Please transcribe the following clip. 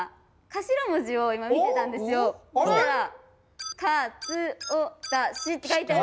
頭文字を今見てたんですよ。きた！